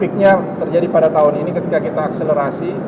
feednya terjadi pada tahun ini ketika kita akselerasi